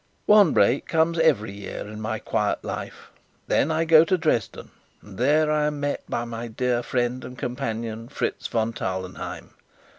One break comes every year in my quiet life. Then I go to Dresden, and there I am met by my dear friend and companion, Fritz von Tarlenheim.